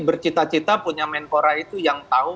bercita cita punya menpora itu yang tahu